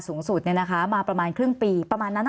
สูงสุดเนี่ยนะคะมาประมาณครึ่งปีประมาณนั้น